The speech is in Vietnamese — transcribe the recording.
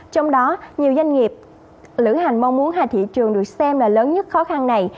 trong đó nhiều doanh nghiệp lữ hành mong muốn hai thị trường được xem là lớn nhất khó khăn này